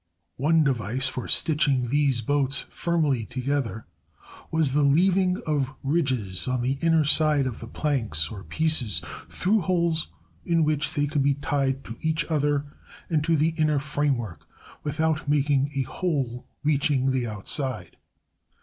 One device for stitching these boats firmly together was the leaving of ridges on the inner side of the planks or pieces, through holes in which they could be tied to each other and to the inner framework without making a hole reaching the outside.